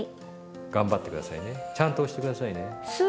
頑張って下さいねちゃんと押して下さいね。